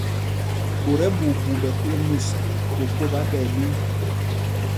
Ɓot ɛɓuuɓu ɓɛ kúl mus, kokō ɓá ɓɛ ɛɓīm.